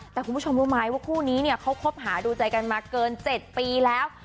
แต่คุณผู้ชมรู้ไหมว่าคู่นี้เนี่ยเขาคบหาดูใจกันมาเกิน๗ปีแล้ว